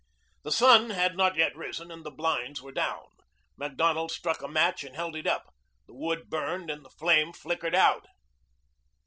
The sun had not yet risen and the blinds were down. Macdonald struck a match and held it up. The wood burned and the flame flickered out.